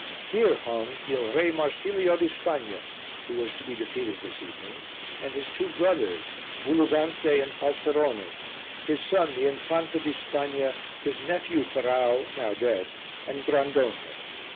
Here hung Il Re Marsilio di Spagna, who was to be defeated this evening, and his two brothers, Bulugante and Falserone, his son the Infanta di Spagna, his nephew Ferrau, now dead, and Grandonio.